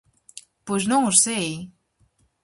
Pois non o sei...